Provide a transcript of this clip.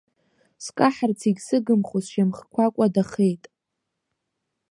Скаҳарц егьсыгымхо, сшьамхқәа кәадахеит.